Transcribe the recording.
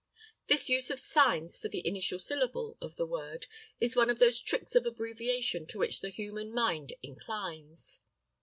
This use of signs for the initial syllable of the word is one of those tricks of abbreviation to which the human mind inclines.